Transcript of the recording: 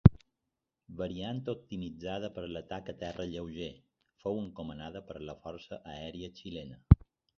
Variant optimitzada per l'atac a terra lleuger, fou encomanada per la Força Aèria Xilena.